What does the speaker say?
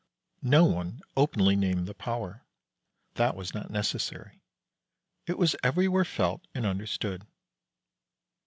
No one openly named the power. That was not necessary; it was everywhere felt and understood.